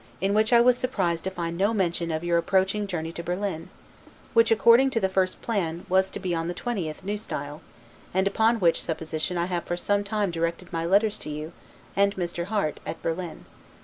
in which I was surprised to find no mention of your approaching journey to Berlin, which, according to the first plan, was to be on the 20th, N. S., and upon which supposition I have for some time directed my letters to you, and Mr. Harte, at Berlin.